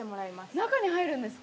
中に入るんですか？